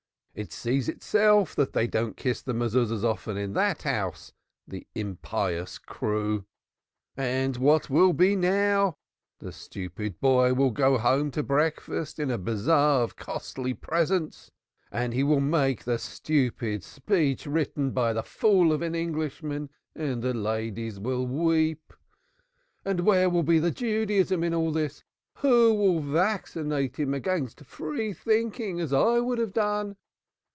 It sees itself that they don't kiss the Mezuzahs often in that house the impious crew. And what will be now? The stupid boy will go home to breakfast in a bazaar of costly presents, and he will make the stupid speech written by the fool of an Englishman, and the ladies will weep. But where will be the Judaism in all this? Who will vaccinate him against free thinking as I would have done?